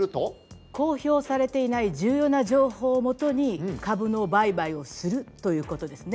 公表されていない重要な情報をもとに株の売買をするということですね。